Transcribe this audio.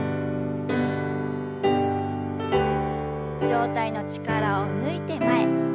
上体の力を抜いて前。